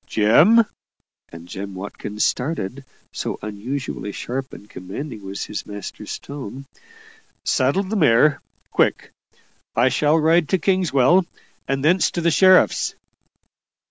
"Jem" and Jem Watkins started, so unusually sharp and commanding was his master's tone "Saddle the mare quick. I shall ride to Kingswell, and thence to the sheriff's."